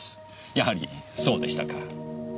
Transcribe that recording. やはりそうでしたか。